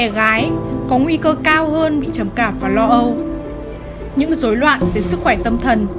những dối loạn về sức khỏe tâm thần